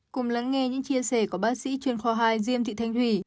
cùng lắng nghe những chia sẻ của bác sĩ chuyên khoa hai diêm thị thanh thủy